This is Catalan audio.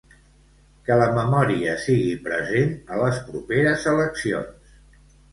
Que la memòria sigui present a la properes eleccions.